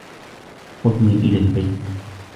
خذني إلى البيت.